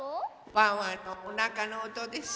ワンワンのおなかのおとです。